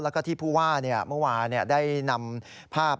แล้วก็ที่ผู้ว่าเมื่อวานได้นำภาพ